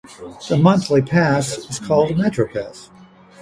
The monthly pass is called a Metropass.